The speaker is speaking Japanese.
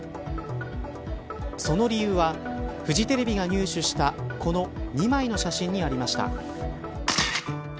その理由はフジテレビが入手したこの２枚の写真にありました。